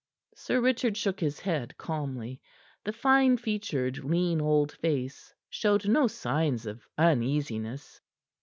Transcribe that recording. Sir Richard shook his head calmly. The fine featured, lean old face showed no sign of uneasiness.